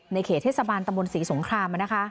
ในเขตเทศบาลตำบลศรีสงคราม